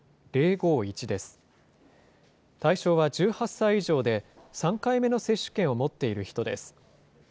対象は１８歳以上で、３回目の接種券を持っている人です。